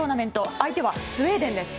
相手はスウェーデンです。